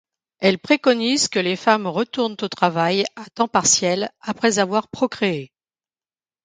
Elle préconise que les femmes retournent au travail à temps partiel après avoir procréer.